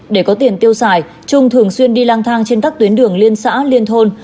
để có tiền tiêu xài trung thường xuyên đi lang thang trên các tuyến đường liên xã liên thôn